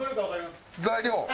材料。